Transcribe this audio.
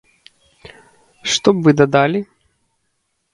Што б вы дадалі?